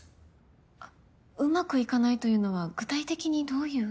あっうまくいかないというのは具体的にどういう？